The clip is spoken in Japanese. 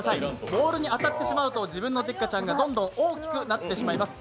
ボールに当たってしまうと自分のデッカチャンがどんどん大きくなってしまいます。